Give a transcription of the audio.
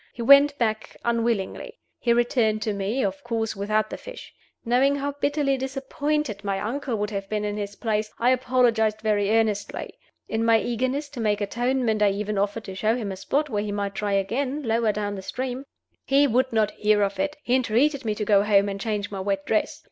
He went back unwillingly. He returned to me of course without the fish. Knowing how bitterly disappointed my uncle would have been in his place, I apologized very earnestly. In my eagerness to make atonement, I even offered to show him a spot where he might try again, lower down the stream. He would not hear of it; he entreated me to go home and change my wet dress.